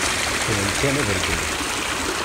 Ssnen kan ad regmen.